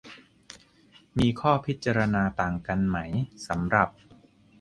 มีข้อพิจารณาต่างกันไหม สำหรับ